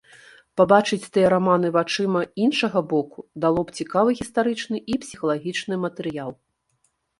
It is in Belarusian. Пабачыць тыя раманы вачыма іншага боку дало б цікавы гістарычны і псіхалагічны матэрыял.